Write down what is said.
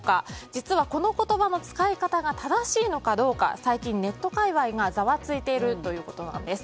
実は、この言葉の使い方が正しいのかどうか最近、ネット界隈がざわついているということです。